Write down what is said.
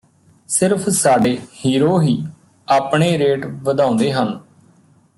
ਸਿਰਫ਼ ਸਾਡੇ ਹੀਰੋ ਹੀ ਆਪਣੇ ਰੇਟ ਵਧਾਉਂਦੇ ਹਨ